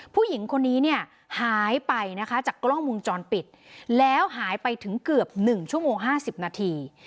ผู้หญิงคนนี้เนี่ยหายไปนะคะจากกล้องวงจรปิดแล้วหายไปถึงเกือบ๑ชั่วโมง๕๐นาที